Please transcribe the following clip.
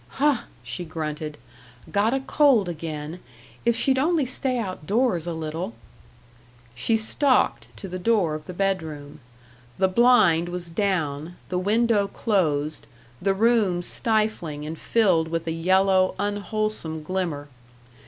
"Huh!" she grunted. "Got a cold again. If she'd only stay outdoors a little " She stalked to the door of the bedroom. The blind was down, the window closed, the room stifling and filled with a yellow, unwholesome glimmer.